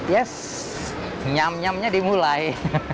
yes nyam nyamnya dimulai